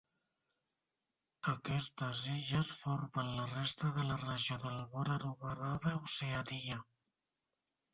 Aquestes illes formen la resta de la regió del món anomenada Oceania.